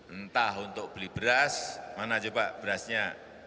entah untuk beli beras mana coba berasnya